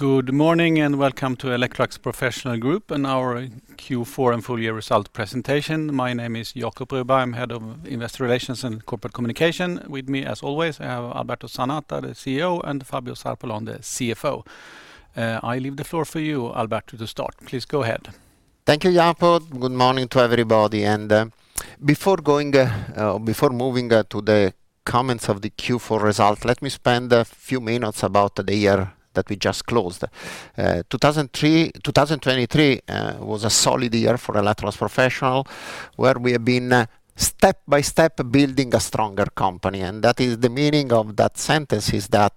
Good morning, and welcome to Electrolux Professional Group and our Q4 and full year result presentation. My name is Jacob Broberg. I'm Head of Investor Relations and Corporate Communication. With me, as always, I have Alberto Zanata, the CEO, and Fabio Zarpellon, the CFO. I leave the floor for you, Alberto, to start. Please, go ahead. Thank you, Jacob. Good morning to everybody, and before moving to the comments of the Q4 result, let me spend a few minutes about the year that we just closed. 2023 was a solid year for Electrolux Professional, where we have been step by step building a stronger company, and that is the meaning of that sentence, is that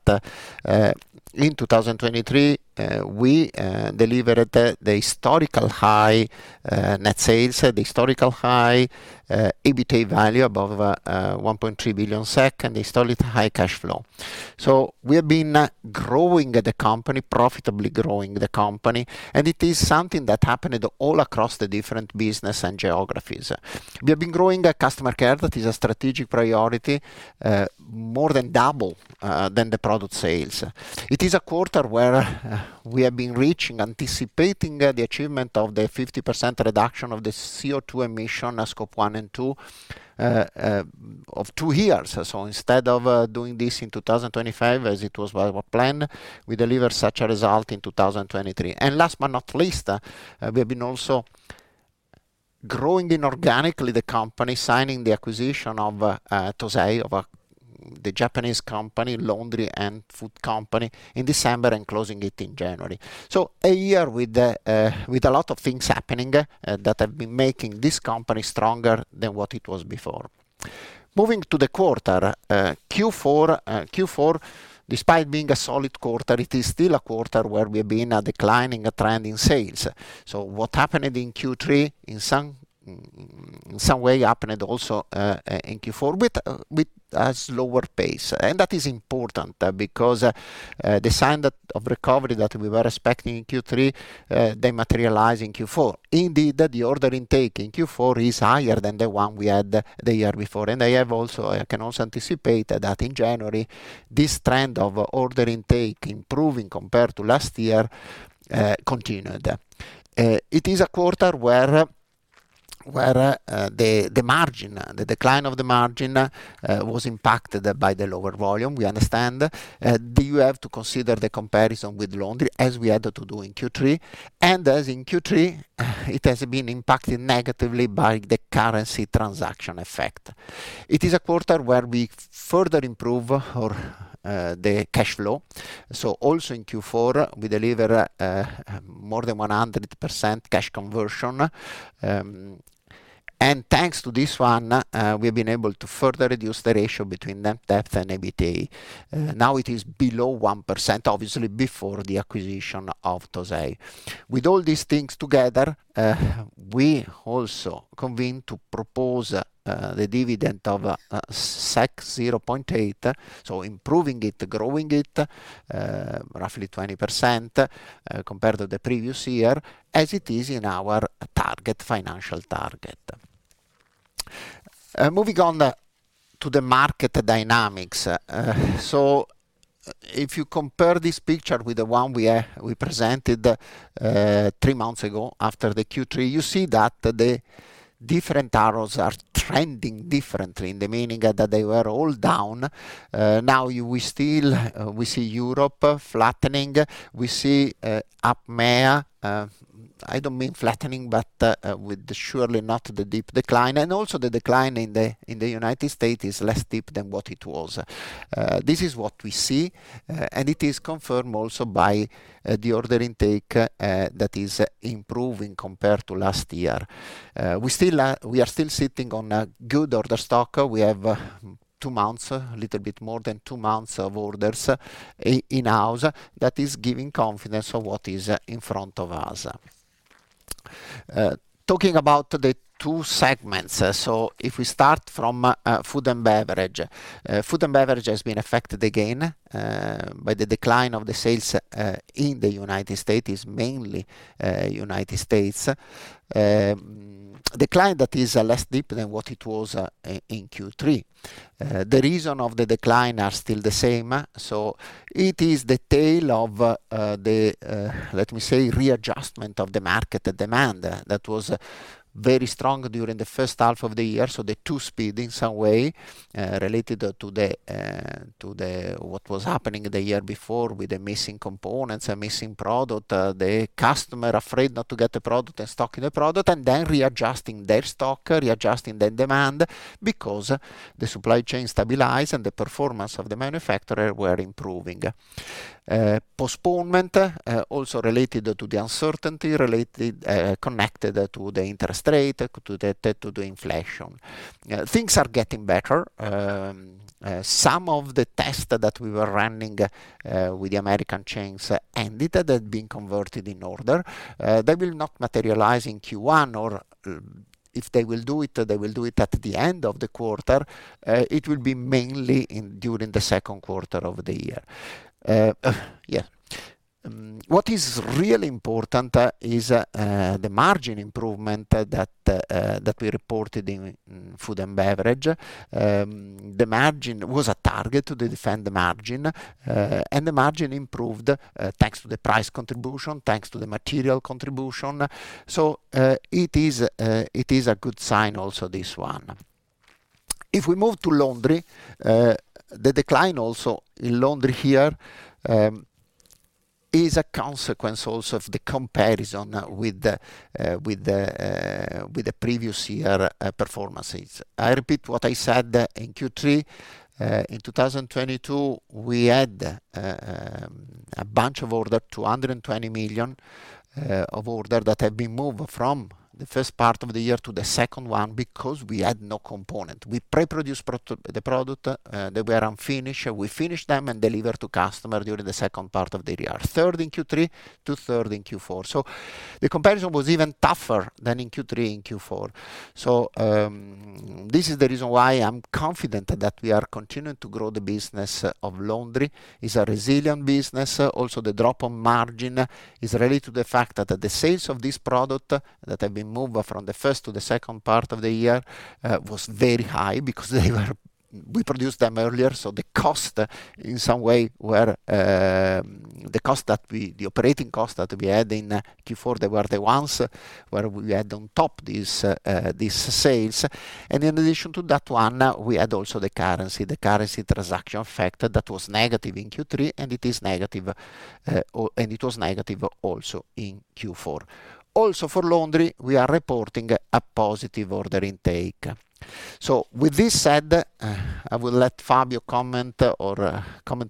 in 2023 we delivered the historical high net sales, the historical high EBITDA value above 1.3 billion SEK, and the historical high cash flow. So we have been growing the company, profitably growing the company, and it is something that happened all across the different business and geographies. We have been growing the customer care, that is a strategic priority, more than double than the product sales. It is a quarter where we have been reaching, anticipating the achievement of the 50% reduction of the CO2 emission, Scope 1 and 2, of two years. So instead of doing this in 2025, as it was well planned, we delivered such a result in 2023. And last but not least, we have been also growing inorganically the company, signing the acquisition of Tosei, the Japanese company, laundry and food company, in December and closing it in January. So a year with a lot of things happening that have been making this company stronger than what it was before. Moving to the quarter, Q4, despite being a solid quarter, it is still a quarter where we have been a declining trend in sales. So what happened in Q3, in some way, happened also in Q4, with a slower pace. And that is important, because the signs of recovery that we were expecting in Q3, they materialize in Q4. Indeed, the order intake in Q4 is higher than the one we had the year before. And I have also, I can also anticipate that in January, this trend of order intake improving compared to last year, continued. It is a quarter where the margin, the decline of the margin, was impacted by the lower volume. We understand, do you have to consider the comparison with laundry, as we had to do in Q3, and as in Q3, it has been impacted negatively by the currency transaction effect. It is a quarter where we further improve our cash flow. So also in Q4, we deliver more than 100% cash conversion, and thanks to this one, we've been able to further reduce the ratio between net debt and EBITDA. Now it is below 1%, obviously, before the acquisition of Tosei. With all these things together, we also convene to propose the dividend of 0.8, so improving it, growing it roughly 20% compared to the previous year, as it is in our target, financial target. Moving on to the market dynamics. So if you compare this picture with the one we presented three months ago after the Q3, you see that the different arrows are trending differently, in the meaning that they were all down. Now we still see Europe flattening. We see APMEA. I don't mean flattening, but with surely not the deep decline, and also the decline in the United States is less deep than what it was. This is what we see, and it is confirmed also by the order intake that is improving compared to last year. We are still sitting on a good order stock. We have two months, a little bit more than two months of orders in-house. That is giving confidence of what is in front of us. Talking about the two segments, so if we start from Food & Beverage. Food & Beverage has been affected again by the decline of the sales in the United States. It's mainly United States. Decline that is less deep than what it was in Q3. The reason of the decline are still the same, so it is the tale of the readjustment of the market, the demand that was very strong during the first half of the year. So the two speed in some way related to the to the... What was happening the year before with the missing components and missing product, the customer afraid not to get the product and stock the product, and then readjusting their stock, readjusting the demand, because the supply chain stabilize and the performance of the manufacturer were improving. Postponement also related to the uncertainty, related, connected to the interest rate, to the, to the inflation. Things are getting better. Some of the tests that we were running with the American chains ended being converted in order. They will not materialize in Q1, or, if they will do it, they will do it at the end of the quarter. It will be mainly in during the second quarter of the year. Yeah. What is really important is the margin improvement that we reported in Food & Beverage. The margin was a target to defend the margin, and the margin improved thanks to the price contribution, thanks to the material contribution. So, it is a good sign also, this one. If we move to Laundry, the decline also in Laundry here is a consequence also of the comparison with the previous year performances. I repeat what I said in Q3. In 2022, we had a bunch of order, 220 million of order that have been moved from the first part of the year to the second one because we had no component. We pre-produced the product, they were unfinished, we finished them and delivered to customer during the second part of the year. Third in Q3 to third in Q4. So the comparison was even tougher than in Q3, in Q4. So, this is the reason why I'm confident that we are continuing to grow the business of Laundry. It's a resilient business. Also, the drop on margin is related to the fact that the sales of this product that have been moved from the first to the second part of the year was very high because we produced them earlier. So the cost, in some way, were the operating costs that we had in Q4, they were the ones where we had on top these sales. In addition to that one, we had also the currency, the currency transaction effect that was negative in Q3, and it is negative, and it was negative also in Q4. Also, for Laundry, we are reporting a positive order intake. So with this said, I will let Fabio comment a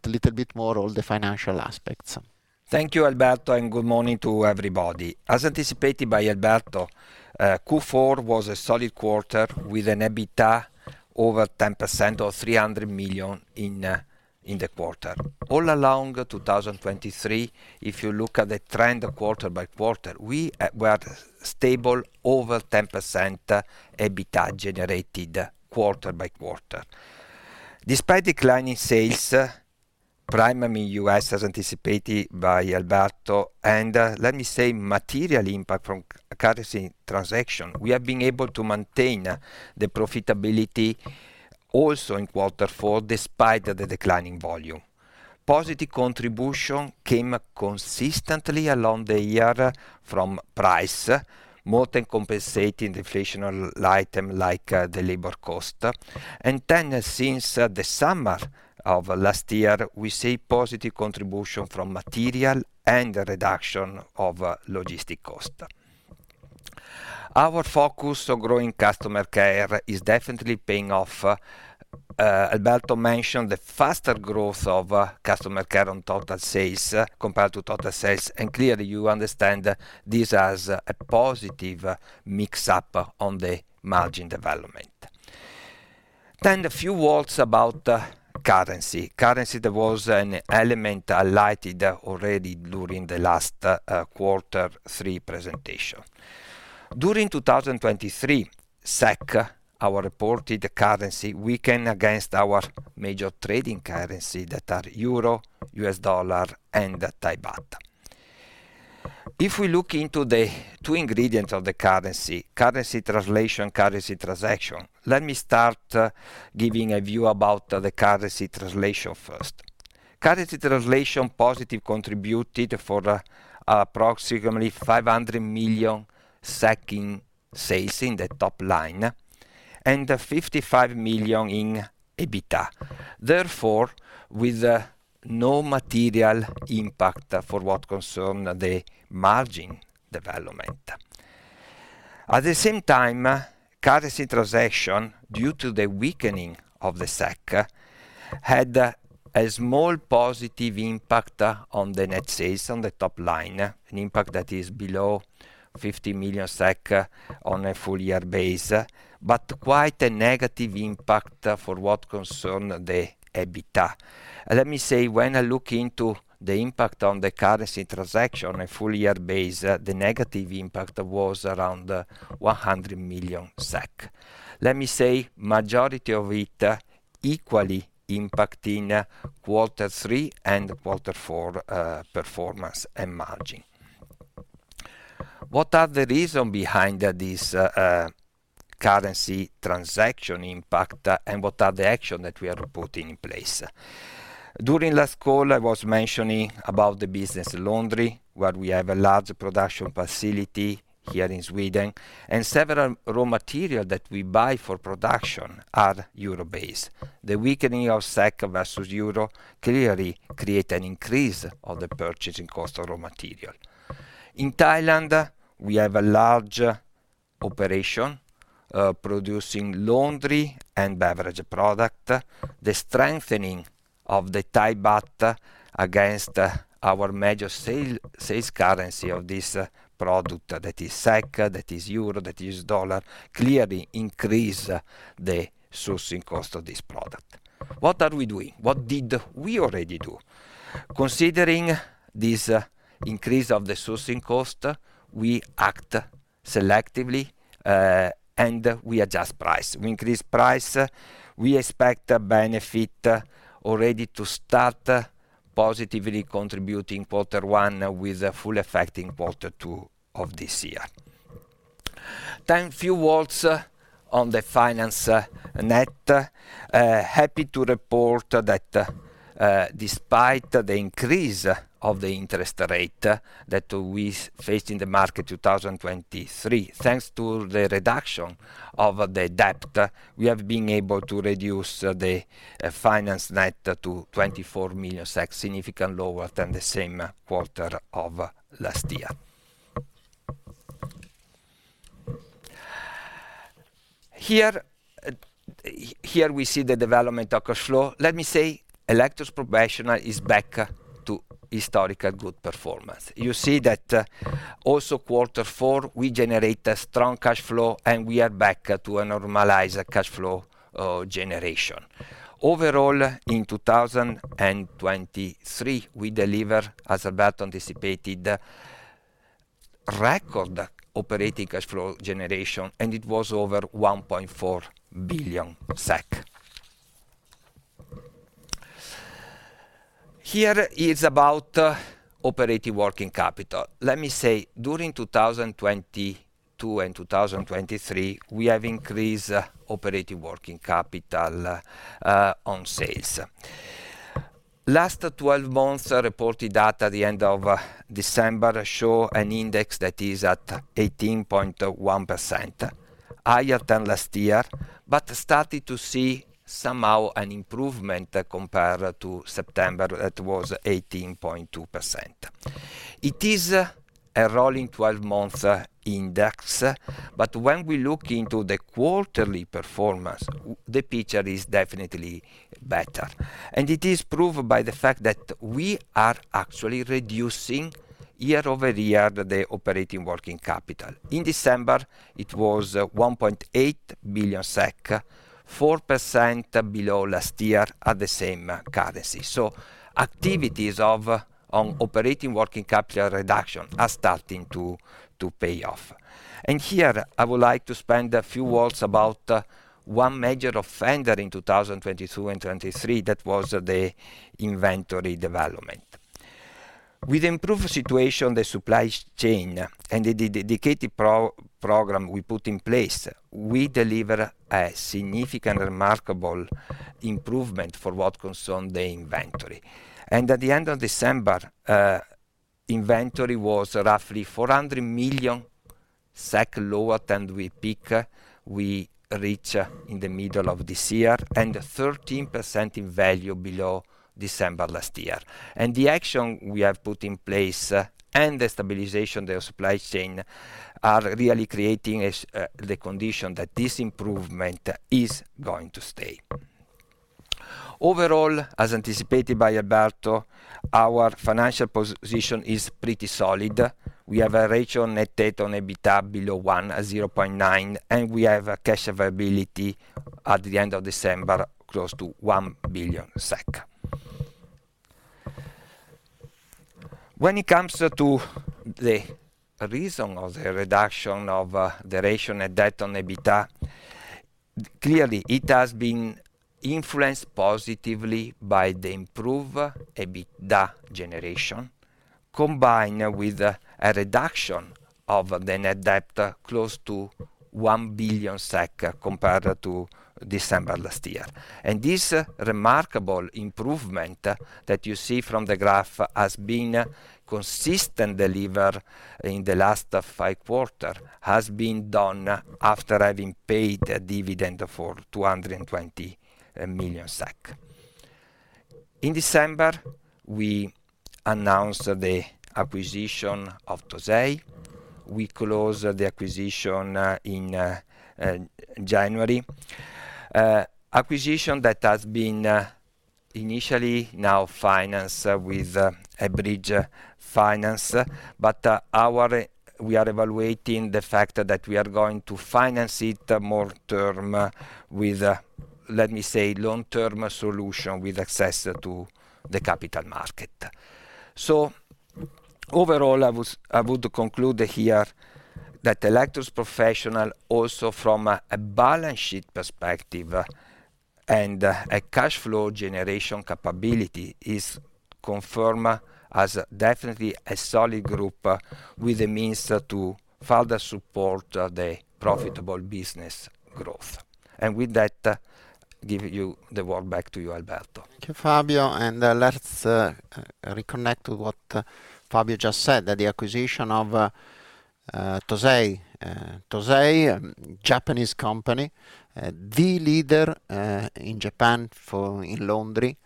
little bit more on the financial aspects. Thank you, Alberto, and good morning to everybody. As anticipated by Alberto, Q4 was a solid quarter with an EBITDA over 10% or 300 million in the quarter. All along 2023, if you look at the trend quarter by quarter, we were stable over 10% EBITDA generated quarter by quarter. Despite declining sales, primarily U.S., as anticipated by Alberto, and let me say, material impact from currency transaction, we have been able to maintain the profitability also in quarter four, despite the declining volume. Positive contribution came consistently along the year from price, more than compensating the inflation item, like the labor cost. And then since the summer of last year, we see positive contribution from material and the reduction of logistic cost. Our focus on growing customer care is definitely paying off. Alberto mentioned the faster growth of customer care on total sales compared to total sales, and clearly, you understand this as a positive mix-up on the margin development. Then a few words about currency. Currency, there was an element highlighted already during the last quarter three presentation. During 2023, SEK, our reported currency, weakened against our major trading currencies that are euro, U.S. dollar, and Thai baht. If we look into the two ingredients of the currency, currency translation, currency transaction, let me start giving a view about the currency translation first. Currency translation positively contributed for approximately 500 million in sales in the top line, and 55 million in EBITDA. Therefore, with no material impact for what concern the margin development. At the same time, currency transaction, due to the weakening of the SEK, had a, a small positive impact on the net sales on the top line, an impact that is below 50 million SEK on a full year base, but quite a negative impact for what concern the EBITDA. Let me say, when I look into the impact on the currency transaction on a full year base, the negative impact was around 100 million SEK. Let me say, majority of it equally impacting quarter three and quarter four performance and margin. What are the reason behind this currency transaction impact, and what are the action that we are putting in place? During last call, I was mentioning about the business Laundry, where we have a large production facility here in Sweden, and several raw material that we buy for production are euro-based. The weakening of SEK versus euro clearly create an increase of the purchasing cost of raw material. In Thailand, we have a large operation, producing laundry and beverage product. The strengthening of the Thai baht against, our major sales currency of this product, that is SEK, that is euro, that is dollar, clearly increase the sourcing cost of this product. What are we doing? What did we already do? Considering this increase of the sourcing cost, we act selectively, and we adjust price. We increase price, we expect a benefit already to start positively contributing quarter one, with a full effect in quarter two of this year. Then few words on the finance net. Happy to report that, despite the increase of the interest rate that we faced in the market 2023, thanks to the reduction of the debt, we have been able to reduce the finance net to 24 million, significant lower than the same quarter of last year. Here, we see the development of cash flow. Let me say, Electrolux Professional is back to historical good performance. You see that, also quarter four, we generate a strong cash flow, and we are back to a normalized cash flow, generation. Overall, in 2023, we deliver, as Alberto anticipated, record operating cash flow generation, and it was over 1.4 billion SEK. Here is about operating working capital. Let me say, during 2022 and 2023, we have increased operating working capital, on sales. Last twelve months, reported at the end of December, show an index that is at 18.1%, higher than last year, but started to see somehow an improvement compared to September. That was 18.2%. It is a rolling twelve-month index, but when we look into the quarterly performance, the picture is definitely better. And it is proved by the fact that we are actually reducing year-over-year, the operating working capital. In December, it was 1.8 billion SEK, 4% below last year at the same currency. So activities on operating working capital reduction are starting to pay off. And here, I would like to spend a few words about one major offender in 2022 and 2023, that was the inventory development. With the improved situation in the supply chain and the dedicated program we put in place, we deliver a significant, remarkable improvement for what concerned the inventory. At the end of December, inventory was roughly 400 million SEK lower than the peak we reached in the middle of this year, and 13% in value below December last year. The action we have put in place, and the stabilization of the supply chain, are really creating the condition that this improvement is going to stay. Overall, as anticipated by Alberto, our financial position is pretty solid. We have a ratio net debt on EBITDA below 1, at 0.9, and we have a cash availability at the end of December, close to 1 billion SEK. When it comes to the reason of the reduction of the ratio net debt on EBITDA, clearly, it has been influenced positively by the improved EBITDA generation, combined with a reduction of the net debt, close to 1 billion SEK, compared to December last year. This remarkable improvement that you see from the graph has been consistent delivered in the last 5 quarter, has been done after having paid a dividend for 220 million SEK. In December, we announced the acquisition of Tosei. We closed the acquisition in January. Acquisition that has been initially now financed with a bridge finance, but we are evaluating the fact that we are going to finance it more term with, let me say, long-term solution, with access to the capital market. So overall, I would conclude here that Electrolux Professional, also from a balance sheet perspective and a cash flow generation capability, is confirmed as definitely a solid group with the means to further support the profitable business growth. And with that, give you the word back to you, Alberto. Thank you, Fabio, and, let's, reconnect to what, Fabio just said, that the acquisition of, Tosei. Tosei, a Japanese company, the leader, in Japan for in laundry,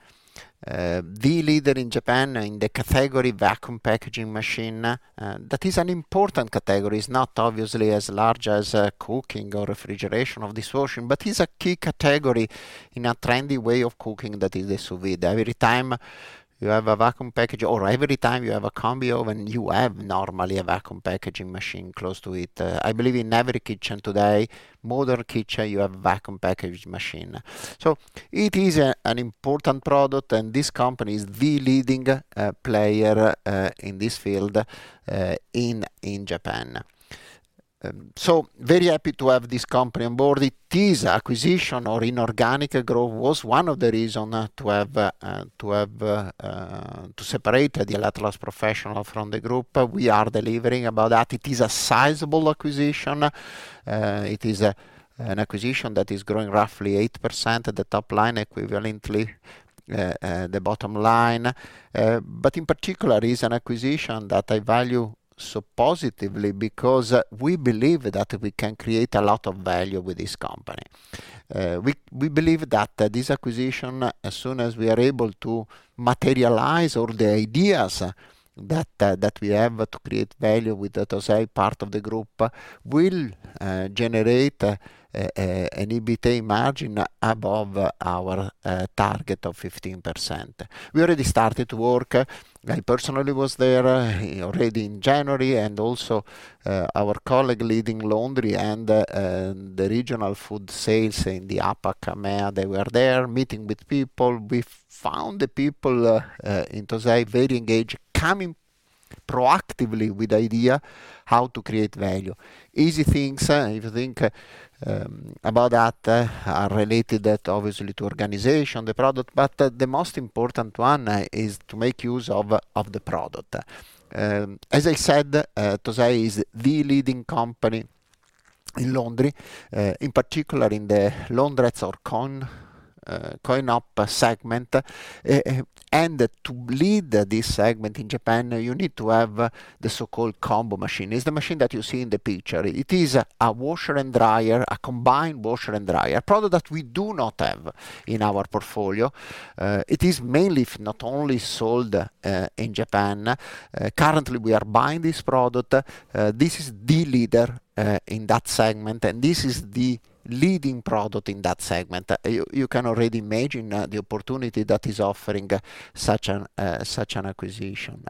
the leader in Japan in the category vacuum packaging machine, that is an important category. It's not obviously as large as, cooking or refrigeration or dishwasher, but is a key category in a trendy way of cooking that is sous vide. Every time you have a vacuum package or every time you have a combi oven, you have normally a vacuum packaging machine close to it. I believe in every kitchen today, modern kitchen, you have vacuum package machine. So it is a, an important product, and this company is the leading, player, in this field, in, in Japan.... So very happy to have this company on board. It is acquisition or inorganic growth was one of the reason to have to separate the Electrolux Professional from the group. We are delivering about that. It is a sizable acquisition. It is an acquisition that is growing roughly 8% at the top line, equivalently, the bottom line. But in particular, it's an acquisition that I value so positively because we believe that we can create a lot of value with this company. We believe that this acquisition, as soon as we are able to materialize all the ideas that we have to create value with the Tosei part of the group, will generate an EBITA margin above our target of 15%. We already started to work. I personally was there already in January, and also our colleague leading laundry and the regional food sales in the APAC, EMEA, they were there, meeting with people. We found the people in Tosei very engaged, coming proactively with idea how to create value. Easy things, if you think about that, are related that obviously to organization, the product, but the most important one is to make use of the product. As I said, Tosei is the leading company in laundry, in particular in the laundrettes or coin-op segment. And to lead this segment in Japan, you need to have the so-called combo machine. It's the machine that you see in the picture. It is a washer and dryer, a combined washer and dryer, a product that we do not have in our portfolio. It is mainly, if not only, sold in Japan. Currently, we are buying this product. This is the leader in that segment, and this is the leading product in that segment. You can already imagine the opportunity that is offering such an acquisition.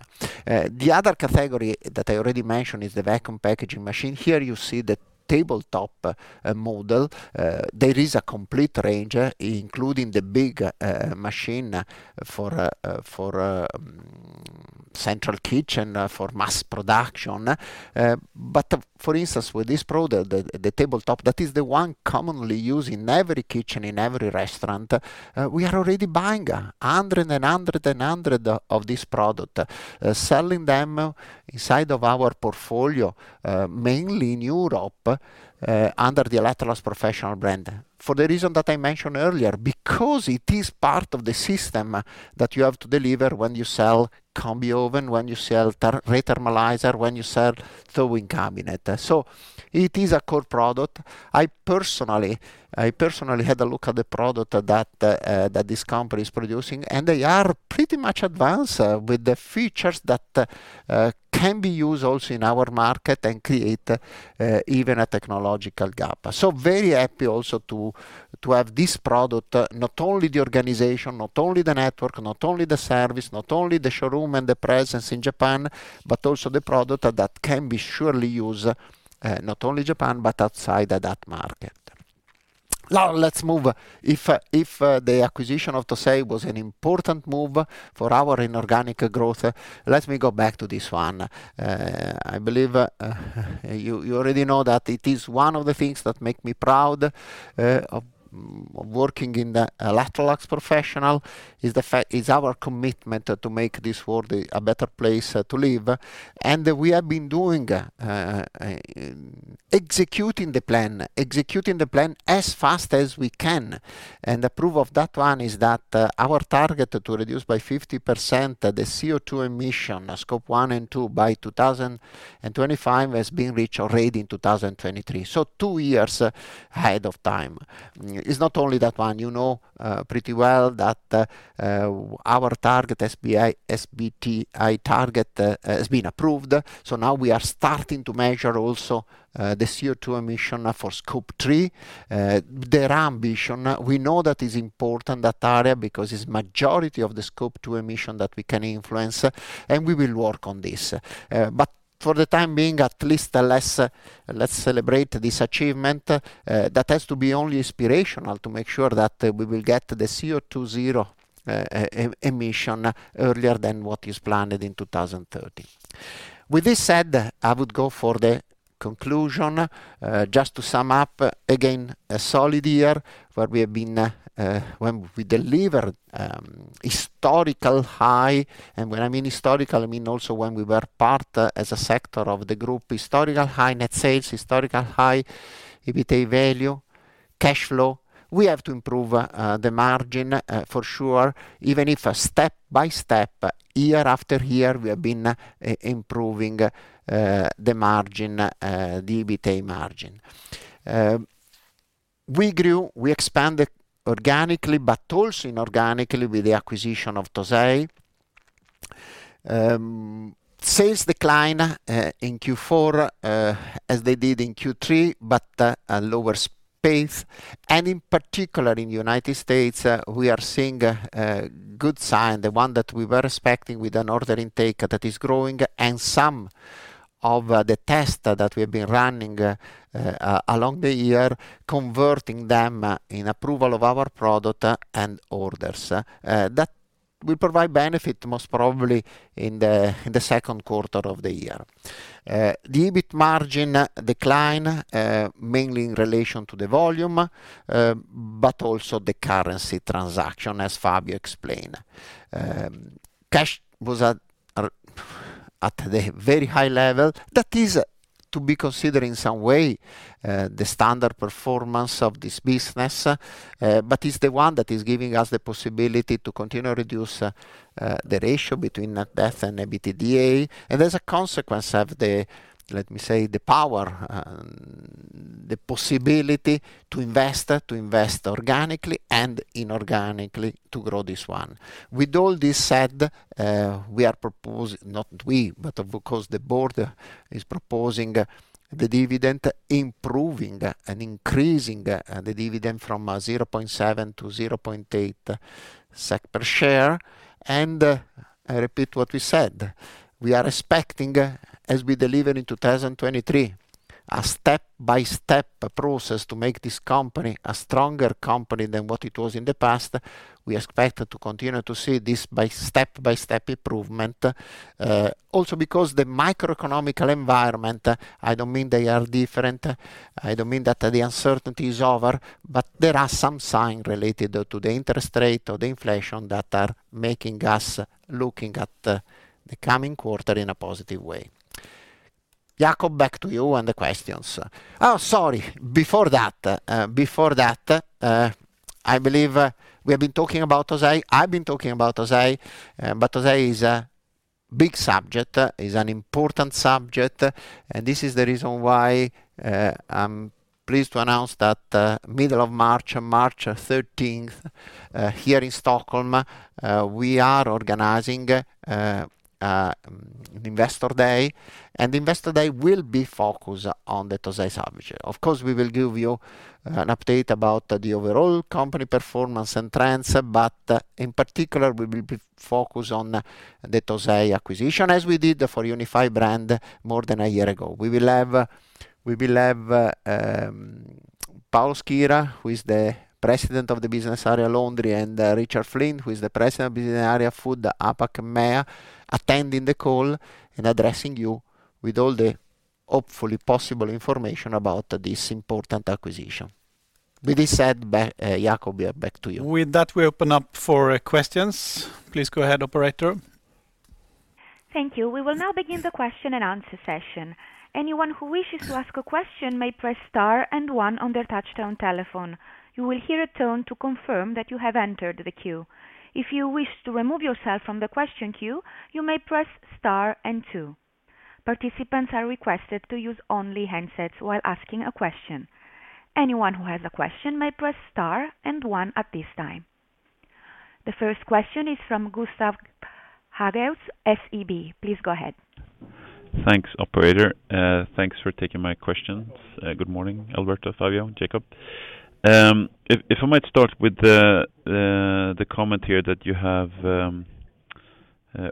The other category that I already mentioned is the vacuum packaging machine. Here you see the tabletop model. There is a complete range, including the big machine for central kitchen for mass production. But for instance, with this product, the tabletop, that is the one commonly used in every kitchen, in every restaurant, we are already buying 100 and 100 and 100 of this product, selling them inside of our portfolio, mainly in Europe, under the Electrolux Professional brand. For the reason that I mentioned earlier, because it is part of the system that you have to deliver when you sell combi oven, when you sell rethermalizer, when you sell holding cabinet. So it is a core product. I personally had a look at the product that this company is producing, and they are pretty much advanced with the features that can be used also in our market and create even a technological gap. So very happy also to have this product, not only the organization, not only the network, not only the service, not only the showroom and the presence in Japan, but also the product that can be surely used, not only Japan, but outside of that market. Now, let's move. If the acquisition of Tosei was an important move for our inorganic growth, let me go back to this one. I believe you already know that it is one of the things that make me proud of working in the Electrolux Professional. It is our commitment to make this world a better place to live. And we have been executing the plan as fast as we can. The proof of that one is that our target to reduce by 50% the CO₂ emission, Scope 1 and 2, by 2025 has been reached already in 2023. So two years ahead of time. It's not only that one, you know, pretty well that our target, SBTi target, has been approved. So now we are starting to measure also the CO₂ emission for Scope 3. Their ambition, we know that is important, that area, because it's majority of the Scope 2 emission that we can influence, and we will work on this. But for the time being, at least let's celebrate this achievement that has to be only inspirational to make sure that we will get the CO₂ zero emission earlier than what is planned in 2030. With this said, I would go for the conclusion. Just to sum up, again, a solid year where we have been when we delivered historical high, and when I mean historical, I mean also when we were part as a sector of the group, historical high net sales, historical high EBITA value, cash flow. We have to improve the margin for sure, even if step by step, year after year, we have been improving the margin, the EBITA margin. We grew, we expanded organically, but also inorganically with the acquisition of Tosei. Sales decline in Q4 as they did in Q3 but a lower pace. In particular, in the United States, we are seeing a good sign, the one that we were expecting with an order intake that is growing and some of the test that we've been running along the year, converting them in approval of our product and orders. That will provide benefit most probably in the second quarter of the year. The EBIT margin decline mainly in relation to the volume but also the currency transaction, as Fabio explained. Cash was at the very high level. That is to be considered in some way the standard performance of this business, but it's the one that is giving us the possibility to continue to reduce the ratio between net debt and EBITDA. And as a consequence of the, let me say, the power, the possibility to invest, to invest organically and inorganically to grow this one. With all this said, we are not we, but of course, the board is proposing the dividend, improving and increasing the dividend from 0.7 SEK-0.8 SEK per share. And I repeat what we said, we are expecting, as we delivered in 2023, a step-by-step process to make this company a stronger company than what it was in the past. We expect to continue to see this step-by-step improvement, also because the microeconomic environment. I don't mean they are different. I don't mean that the uncertainty is over, but there are some sign related to the interest rate or the inflation that are making us looking at the coming quarter in a positive way. Jacob, back to you and the questions. Oh, sorry, before that, before that, I believe we have been talking about Tosei. I've been talking about Tosei, but Tosei is a big subject, is an important subject, and this is the reason why I'm pleased to announce that, middle of March, March thirteenth, here in Stockholm, we are organizing an Investor Day, and Investor Day will be focused on the Tosei subject. Of course, we will give you an update about the overall company performance and trends, but in particular, we will be focused on the Tosei acquisition, as we did for Unified Brand more than a year ago. We will have Paolo Schira, who is the President of the Business Area Laundry, and Richard Flynn, who is the President of Business Area Food APAC & MEA, attending the call and addressing you with all the hopefully possible information about this important acquisition. With this said, Jacob, we are back to you. With that, we open up for questions. Please go ahead, operator. Thank you. We will now begin the question and answer session. Anyone who wishes to ask a question may press Star and One on their touchtone telephone. You will hear a tone to confirm that you have entered the queue. If you wish to remove yourself from the question queue, you may press Star and Two. Participants are requested to use only handsets while asking a question. Anyone who has a question may press Star and One at this time. The first question is from Gustav Hagéus, SEB. Please go ahead. Thanks, operator. Thanks for taking my questions. Good morning, Alberto, Fabio, Jacob. If, if I might start with the comment here that you have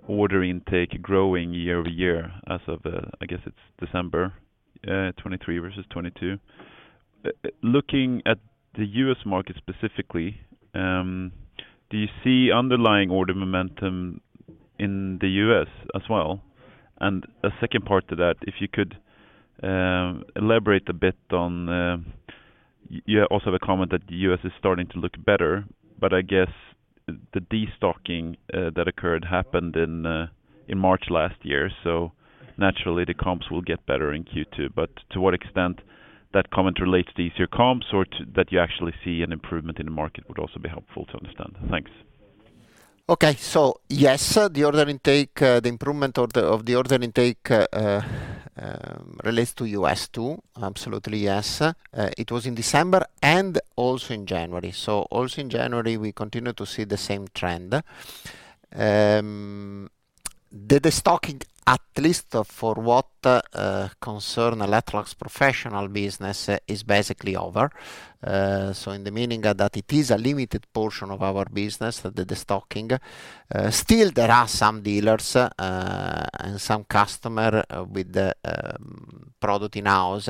order intake growing year over year as of, I guess it's December 2023 versus 2022. Looking at the U.S. market specifically, do you see underlying order momentum in the U.S. as well? And a second part to that, if you could elaborate a bit on... You also have a comment that the U.S. is starting to look better, but I guess the destocking that occurred happened in March last year, so naturally, the comps will get better in Q2. But to what extent that comment relates to easier comps or to- that you actually see an improvement in the market would also be helpful to understand. Thanks. Okay. So yes, the order intake, the improvement order of the order intake, relates to U.S., too. Absolutely, yes. It was in December and also in January. So also in January, we continued to see the same trend. The destocking, at least for what concern Electrolux Professional business, is basically over. So in the meaning that it is a limited portion of our business, the destocking, still there are some dealers, and some customer with the, product in-house,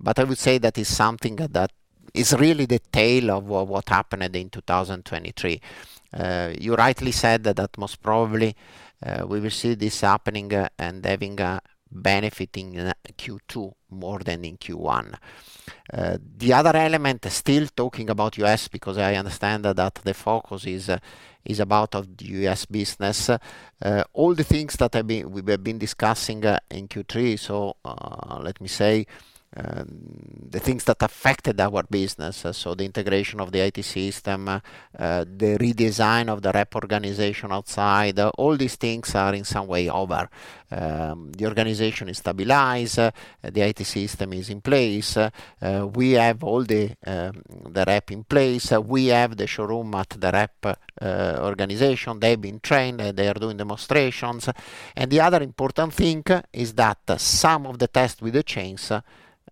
but I would say that is something that is really the tail of what happened in 2023. You rightly said that, most probably, we will see this happening, and having a benefit in Q2 more than in Q1. The other element is still talking about U.S., because I understand that the focus is about the U.S. business. All the things that we have been discussing in Q3, so let me say, the things that affected our business, so the integration of the IT system, the redesign of the rep organization outside, all these things are in some way over. The organization is stabilized, the IT system is in place. We have all the, the rep in place. We have the showroom at the rep organization. They've been trained, and they are doing demonstrations. The other important thing is that some of the tests with the chains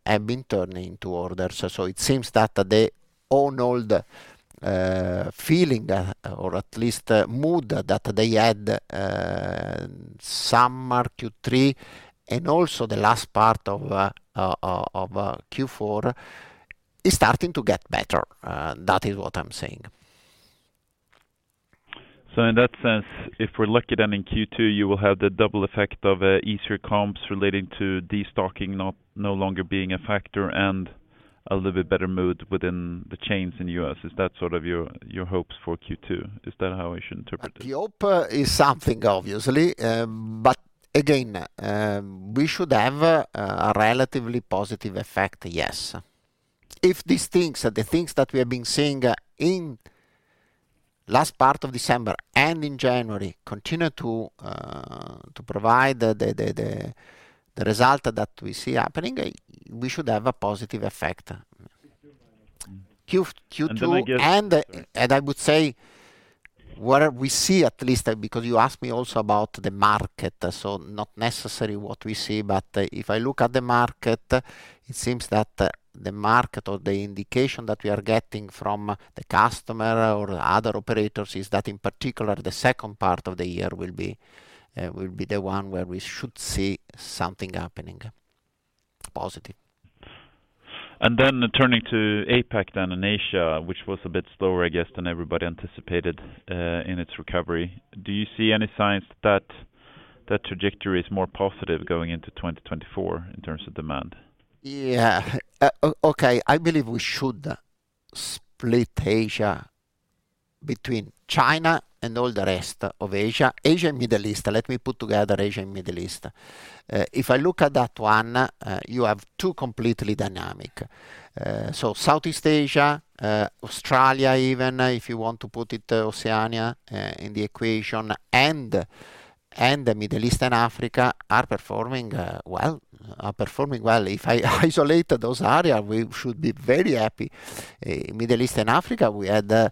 have been turned into orders. So it seems that the on-hold feeling, or at least mood that they had summer, Q3, and also the last part of Q4 is starting to get better, that is what I'm saying. So in that sense, if we're lucky, then in Q2, you will have the double effect of easier comps relating to destocking no longer being a factor and a little bit better mood within the chains in the U.S. Is that sort of your, your hopes for Q2? Is that how I should interpret it? The hope is something, obviously. But again, we should have a relatively positive effect, yes. If these things are the things that we have been seeing in last part of December and in January continue to provide the result that we see happening, we should have a positive effect. Mm-hmm. Q- Q2- And then I guess- I would say what we see, at least, because you asked me also about the market, so not necessarily what we see, but if I look at the market, it seems that the market or the indication that we are getting from the customer or other operators is that in particular the second part of the year will be the one where we should see something happening positive. Then turning to APAC, then in Asia, which was a bit slower, I guess, than everybody anticipated, in its recovery. Do you see any signs that the trajectory is more positive going into 2024 in terms of demand? Yeah. Okay, I believe we should split Asia between China and all the rest of Asia. Asia and Middle East, let me put together Asia and Middle East. If I look at that one, you have two completely dynamic. So Southeast Asia, Australia, even, if you want to put it, Oceania, in the equation, and, and the Middle East and Africa are performing, well, are performing well. If I isolated those areas, we should be very happy. Middle East and Africa, we had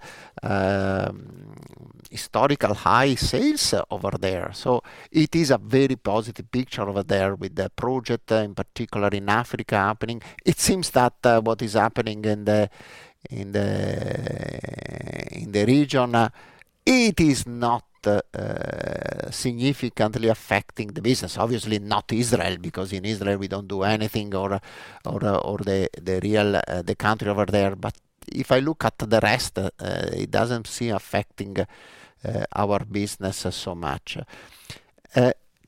historical high sales over there. So it is a very positive picture over there with the project, in particular in Africa happening. It seems that what is happening in the region, it is not significantly affecting the business. Obviously, not Israel, because in Israel we don't do anything or the real country over there. But if I look at the rest, it doesn't seem affecting our business so much.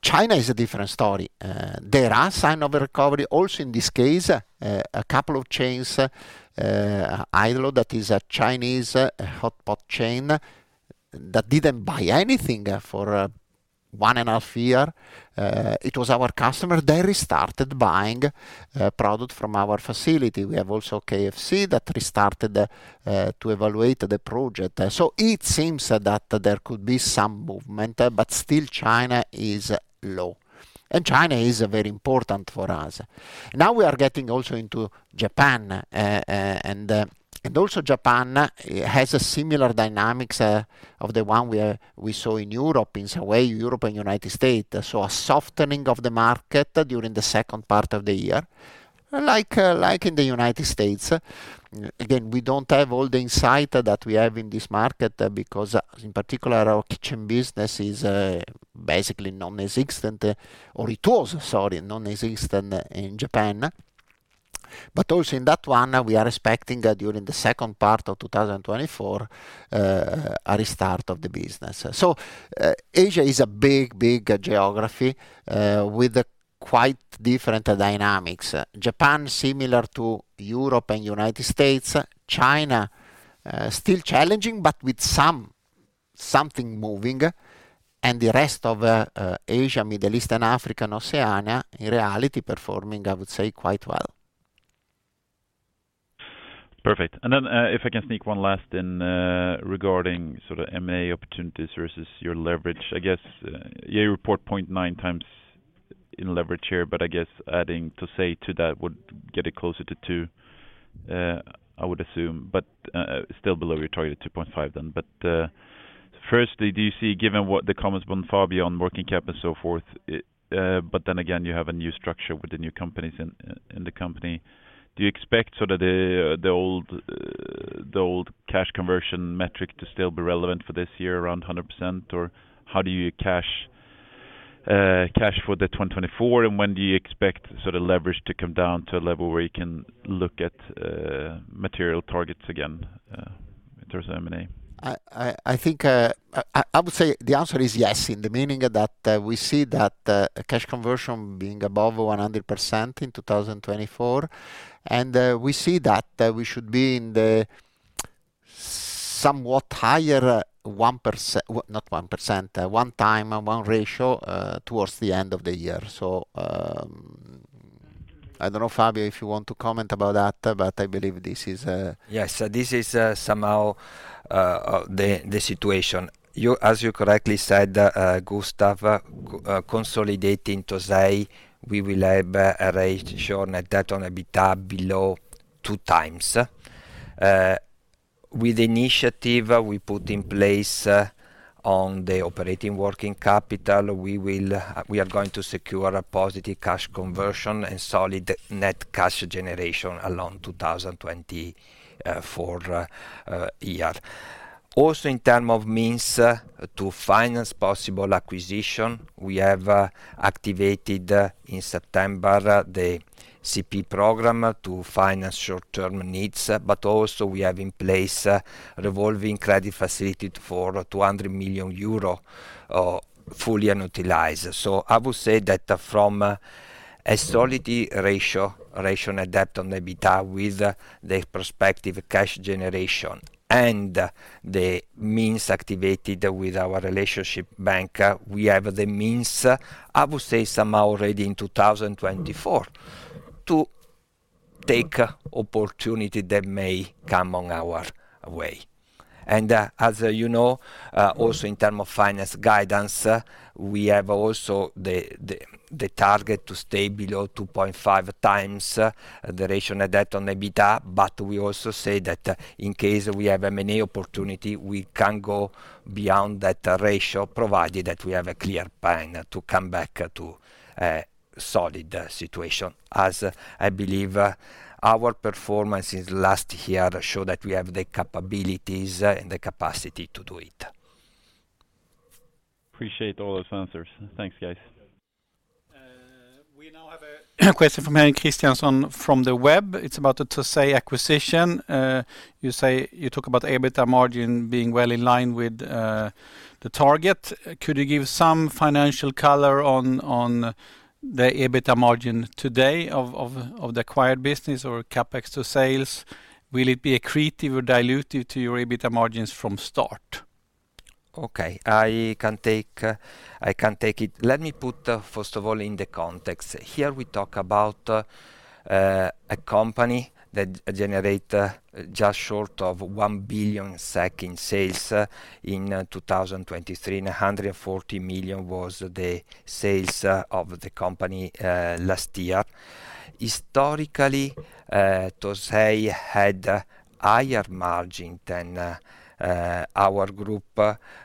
China is a different story. There are sign of a recovery also in this case, a couple of chains, Haidilao, that is a Chinese hot pot chain, that didn't buy anything for one and a half year. It was our customer. They restarted buying product from our facility. We have also KFC that restarted to evaluate the project. So it seems that there could be some movement, but still China is low, and China is very important for us. Now we are getting also into Japan, and also Japan has a similar dynamics of the one we are—we saw in Europe, in some way, Europe and United States. So a softening of the market during the second part of the year, like, like in the United States. Again, we don't have all the insight that we have in this market, because in particular, our kitchen business is basically non-existent, or it was, sorry, non-existent in Japan. But also in that one, we are expecting during the second part of 2024 a restart of the business. So Asia is a big, big geography with a quite different dynamics. Japan, similar to Europe and United States. China, still challenging, but with something moving, and the rest of Asia, Middle East, and Africa, and Oceania, in reality, performing, I would say, quite well. Perfect. And then, if I can sneak one last in, regarding sort of MA opportunities versus your leverage, I guess, you report 0.9x leverage here, but I guess adding Tosei to that would get it closer to 2x, I would assume, but still below your target, 2.5x then. But firstly, do you see, given what the comments been, Fabio, on working capital and so forth, but then again, you have a new structure with the new companies in the company. Do you expect sort of the old cash conversion metric to still be relevant for this year, around 100%? How do you see cash for 2024, and when do you expect sort of leverage to come down to a level where you can look at material targets again in terms of M&A? I think I would say the answer is yes, in the meaning that we see that a cash conversion being above 100% in 2024, and we see that we should be in the somewhat higher 1%... not 1%, 1 time and 1 ratio towards the end of the year. So, I don't know, Fabio, if you want to comment about that, but I believe this is- Yes, this is somehow the situation. You, as you correctly said, Gustav, consolidating Tosei, we will have a net debt/EBITDA ratio below two times. With the initiative we put in place on the operating working capital, we are going to secure a positive cash conversion and solid net cash generation along 2024 for the year. Also, in terms of means to finance possible acquisition, we have activated in September the CP program to finance short-term needs. But also we have in place revolving credit facility for 200 million euro, fully utilized. So I would say that from a solidity ratio net debt on the EBITDA with the prospective cash generation and the means activated with our relationship bank, we have the means, I would say somehow already in 2024, to take opportunity that may come on our way. And as you know, also in term of finance guidance, we have also the target to stay below 2.5 times the ratio net debt on EBITDA. But we also say that, in case we have an M&A opportunity, we can go beyond that ratio, provided that we have a clear plan to come back to a solid situation, as I believe our performance since last year show that we have the capabilities and the capacity to do it. Appreciate all those answers. Thanks, guys. We now have a question from Harry Sherwood from the web. It's about the Tosei acquisition. You say... You talk about EBITDA margin being well in line with the target. Could you give some financial color on the EBITDA margin today of the acquired business or CapEx to sales? Will it be accretive or dilutive to your EBITDA margins from start? Okay, I can take it. Let me put first of all, in the context. Here, we talk about a company that generate just short of 1 billion in sales in 2023, and 140 million was the sales of the company last year. Historically, Tosei had a higher margin than our group,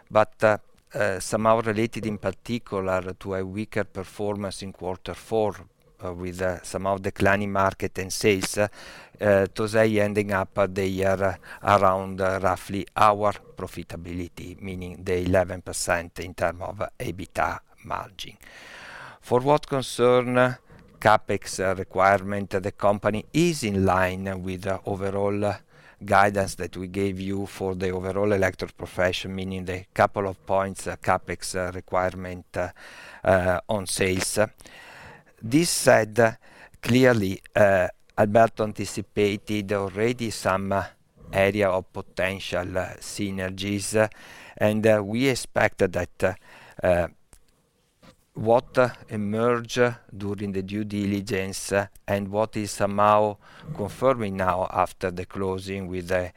but somehow related in particular to a weaker performance in quarter four, with some declining market and sales, Tosei ending up the year around roughly our profitability, meaning the 11% in term of EBITDA margin. For what concern, CapEx requirement, the company is in line with the overall guidance that we gave you for the overall Electrolux Professional, meaning the couple of points, CapEx requirement on sales. This said, clearly, Alberto anticipated already some area of potential synergies, and we expect that what emerge during the due diligence and what is somehow confirming now after the closing with the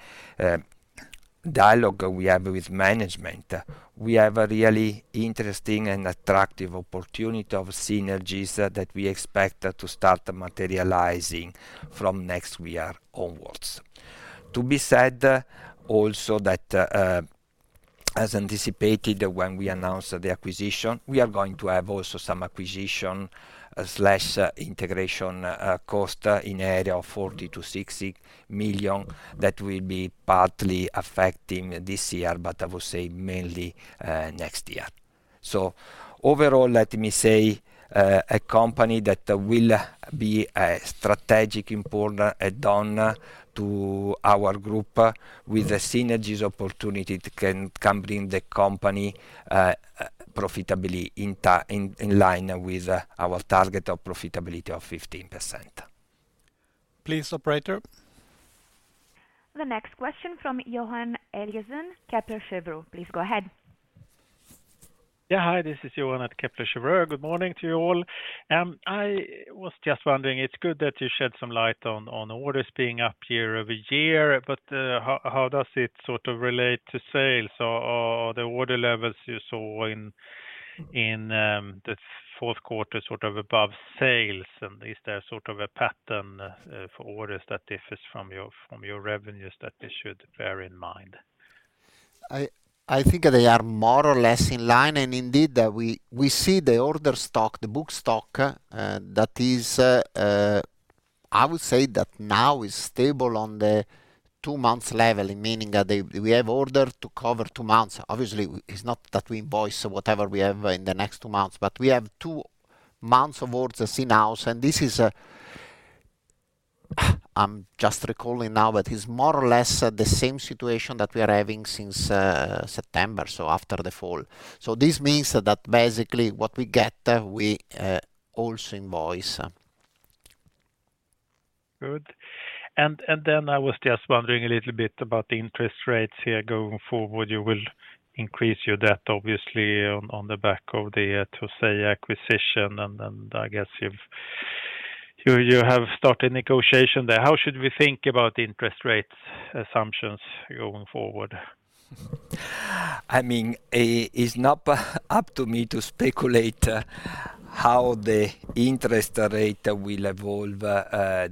dialogue we have with management, we have a really interesting and attractive opportunity of synergies that we expect to start materializing from next year onwards. To be said, also, that as anticipated, when we announce the acquisition, we are going to have also some acquisition/integration cost in area of 40-60 million. That will be partly affecting this year, but I would say mainly next year. So overall, let me say, a company that will be a strategic important add-on to our group, with the synergies opportunity it can bring the company profitability in line with our target of profitability of 15%. Please, operator? The next question from Johan Eliason, Kepler Cheuvreux. Please go ahead. Yeah. Hi, this is Johan at Kepler Cheuvreux. Good morning to you all. I was just wondering, it's good that you shed some light on orders being up year-over-year, but how does it sort of relate to sales? Or the order levels you saw in the fourth quarter, sort of above sales, and is there sort of a pattern for orders that differs from your revenues that we should bear in mind? I think they are more or less in line. And indeed, we see the order stock, the book stock, that is, I would say that now is stable on the two-month level, meaning that we have ordered to cover two months. Obviously, it's not that we invoice whatever we have in the next two months, but we have two months of orders in house, and this is... I'm just recalling now, but it's more or less the same situation that we are having since September, so after the fall. So this means that basically what we get, we also invoice. Good. And, and then I was just wondering a little bit about the interest rates here. Going forward, you will increase your debt, obviously, on, on the back of the Tosei acquisition, and then, I guess you've, you, you have started negotiation there. How should we think about interest rates assumptions going forward? I mean, it's not up to me to speculate how the interest rate will evolve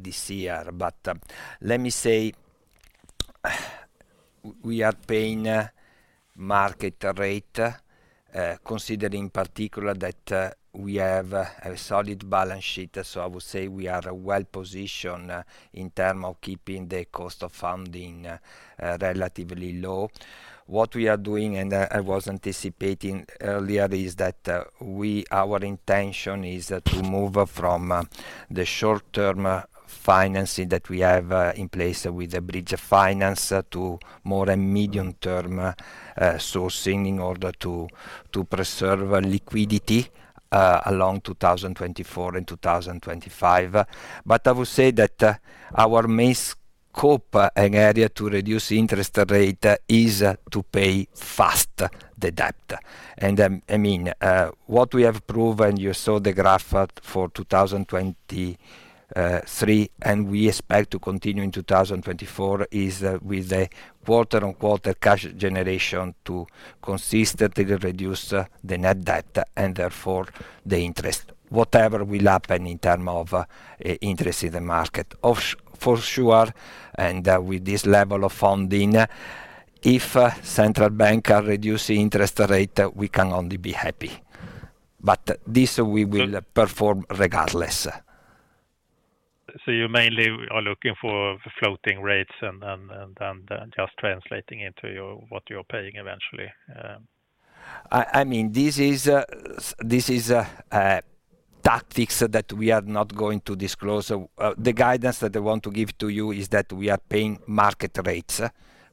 this year. But, let me say,... We are paying market rate, considering in particular that we have a solid balance sheet. So I would say we are well-positioned in term of keeping the cost of funding relatively low. What we are doing, and I was anticipating earlier, is that our intention is to move from the short-term financing that we have in place with the bridge finance to more a medium-term sourcing in order to preserve liquidity along 2024 and 2025. But I would say that our main scope and area to reduce interest rate is to pay fast the debt. And, I mean, what we have proven, you saw the graph for 2023, and we expect to continue in 2024, is, with a quarter-on-quarter cash generation to consistently reduce, the net debt and therefore the interest. Whatever will happen in term of, interest in the market. For sure, and, with this level of funding, if, central bank are reducing interest rate, we can only be happy, but this we will perform regardless. So you mainly are looking for floating rates and just translating into your what you're paying eventually? I mean, this is a tactic that we are not going to disclose. The guidance that I want to give to you is that we are paying market rates,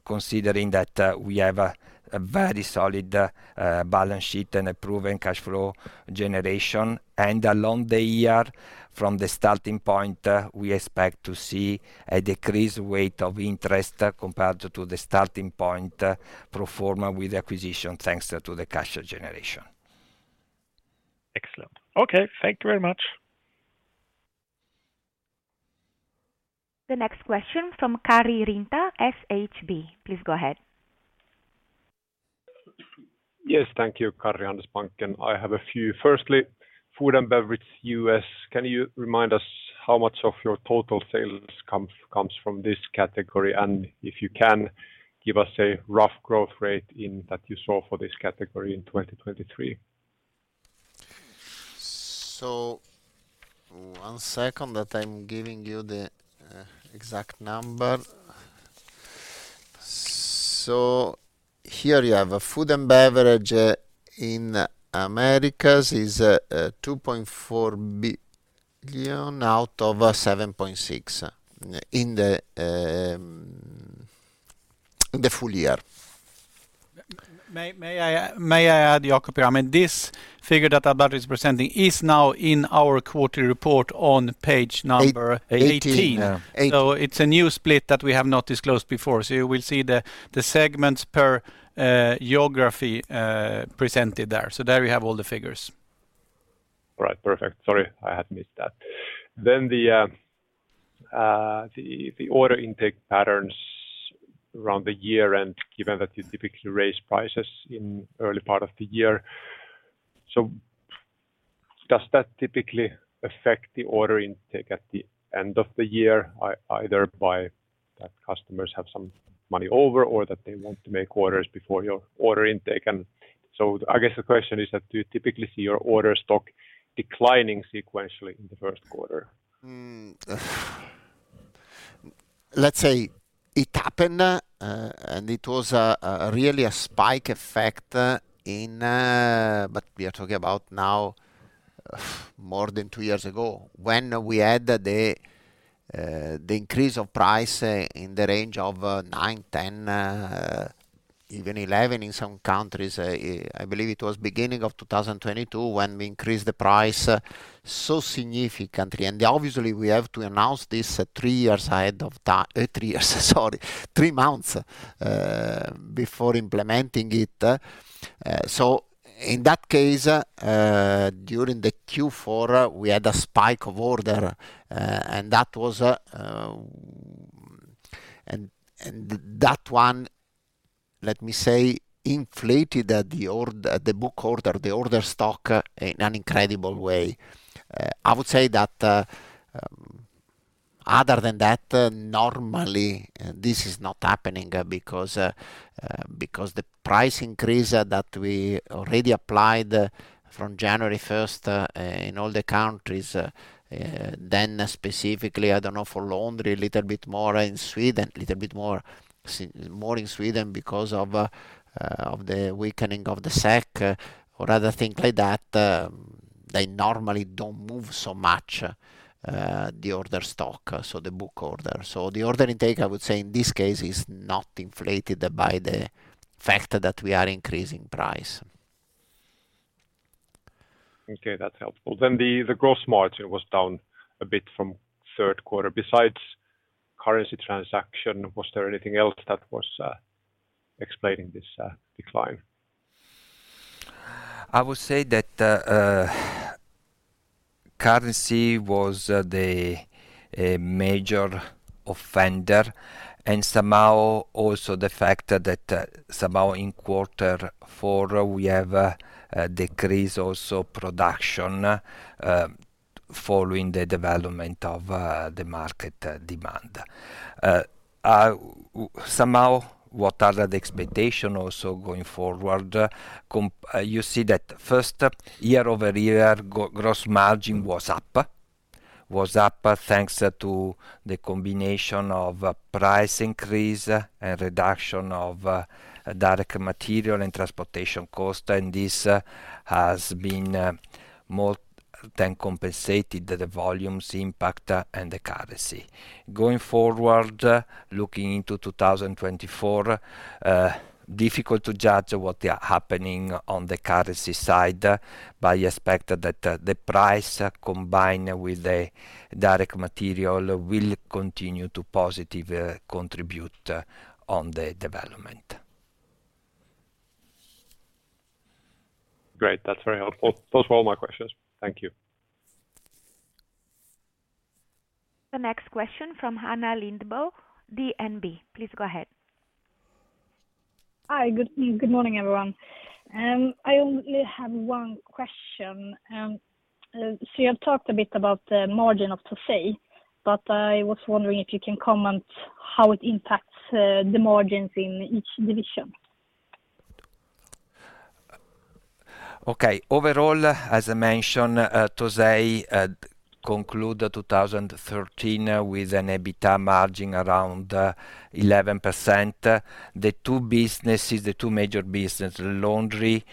considering that we have a very solid balance sheet and a proven cash flow generation. Along the year, from the starting point, we expect to see a decreased weight of interest compared to the starting point pro forma with acquisition, thanks to the cash generation. Excellent. Okay, thank you very much. The next question from Karri Rinta, SHB. Please go ahead. Yes, thank you, Karri, Handelsbanken, and I have a few. Firstly, food and beverage, US, can you remind us how much of your total sales comes from this category? And if you can, give us a rough growth rate in that you saw for this category in 2023. So, one second, that I'm giving you the exact number. So here you have, Food and Beverage in Americas is 2.4 billion out of 7.6 billion in the full year. May I add, Jacopo? I mean, this figure that Alberto is presenting is now in our quarterly report on page number 18. Eighteen. So it's a new split that we have not disclosed before. So you will see the segments per geography presented there. So there we have all the figures. All right, perfect. Sorry, I had missed that. Then the order intake patterns around the year and given that you typically raise prices in early part of the year, so does that typically affect the order intake at the end of the year, either by that customers have some money over or that they want to make orders before your order intake? And so I guess the question is that, do you typically see your order stock declining sequentially in the first quarter? Let's say it happened, and it was a really spike effect in... But we are talking about now, more than two years ago, when we had the increase of price in the range of 9, 10, even 11 in some countries. I believe it was beginning of 2022 when we increased the price so significantly. And obviously, we have to announce this three years ahead of time, three years, sorry, three months, before implementing it. So in that case, during the Q4, we had a spike of order, and that was... And that one, let me say, inflated the book order, the order stock, in an incredible way. I would say that, other than that, normally, this is not happening, because, because the price increase that we already applied from January first in all the countries, then specifically, I don't know, for laundry, a little bit more in Sweden, little bit more, more in Sweden because of, of the weakening of the SEK or other things like that, they normally don't move so much, the order stock, so the book order. So the order intake, I would say, in this case, is not inflated by the fact that we are increasing price. Okay, that's helpful. Then the gross margin was down a bit from third quarter. Besides currency transaction, was there anything else that was explaining this decline? I would say that currency was the major offender, and somehow also the fact that somehow in quarter four we have a decrease also production.... following the development of the market demand. Somehow, what are the expectation also going forward? You see that first, year-over-year, gross margin was up. Was up, thanks to the combination of price increase and reduction of direct material and transportation cost, and this has been more than compensated the volumes impact and the currency. Going forward, looking into 2024, difficult to judge what they are happening on the currency side, but I expect that the price combined with the direct material will continue to positive contribute on the development. Great. That's very helpful. Those were all my questions. Thank you. The next question from Anna Lindboe, DNB. Please go ahead. Hi, good, good morning, everyone. I only have one question. So you have talked a bit about the margin of Tosei, but I was wondering if you can comment how it impacts the margins in each division. Okay. Overall, as I mentioned, TOSEI concluded 2013 with an EBITDA margin around 11%. The two businesses, the two major businesses, laundry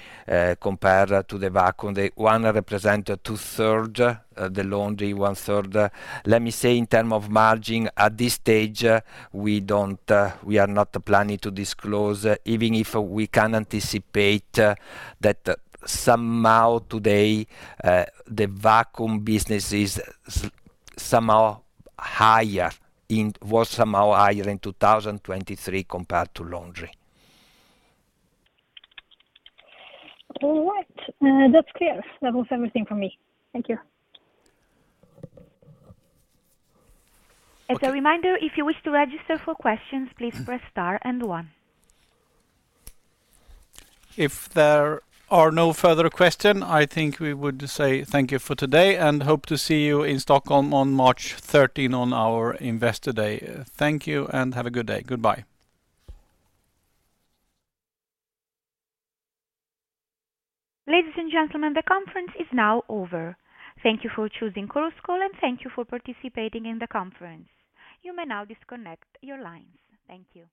compared to the vacuum, they one represent two-thirds the laundry, one-third. Let me say, in terms of margin, at this stage, we don't, we are not planning to disclose, even if we can anticipate that somehow today the vacuum business is somehow higher in... Was somehow higher in 2023 compared to laundry. All right. That's clear. That was everything from me. Thank you. As a reminder, if you wish to register for questions, please press Star and One. If there are no further question, I think we would say thank you for today, and hope to see you in Stockholm on March 13, on our Investor Day. Thank you, and have a good day. Goodbye. Ladies and gentlemen, the conference is now over. Thank you for choosing Chorus Call, and thank you for participating in the conference. You may now disconnect your lines. Thank you.